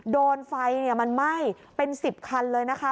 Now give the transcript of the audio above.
โดนไฟมันไหม้เป็น๑๐คันเลยนะคะ